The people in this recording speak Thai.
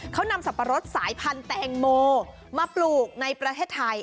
เขานำสับปะรดสายพันธุ์แตงโมมาปลูกในประเทศไทย